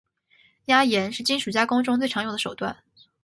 压延是金属加工中最常用的手段。